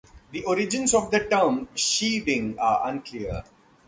The origins of the term "sheading" are unclear.